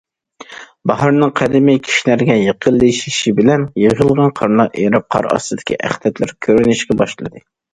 باھارنىڭ قەدىمى كىشىلەرگە يېقىنلىشىشى بىلەن، يىغىلغان قارلار ئېرىپ، قار ئاستىدىكى ئەخلەتلەر كۆرۈنۈشكە باشلىدى.